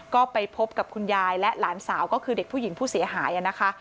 ก็ไปพบกับคุณยายและหลานสาวก็คือเด็กผู้หญิงผู้เสียหายนะคะ